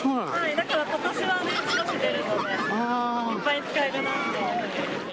だからことしは少し出るので、いっぱい使えるなと思って。